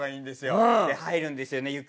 で入るんですよね